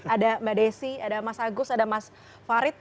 ada mbak desi ada mas agus ada mas farid